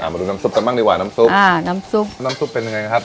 อ่ามาดูน้ำซุปกันบ้างดีกว่าน้ำซุปน้ำซุปเป็นยังไงครับ